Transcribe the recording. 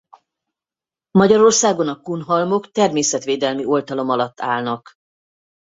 Magyarországon a kunhalmok természetvédelmi oltalom alatt állnak.